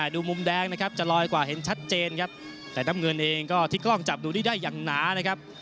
ดูมุมแดงนะครับจะลอยกว่าเห็นชัดเจนครับแต่น้ำเงินเองก็ที่กล้องจับดูนี่ได้อย่างหนานะครับ